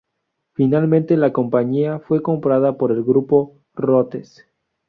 Finalmente, la compañía fue comprada por el Grupo Rootes.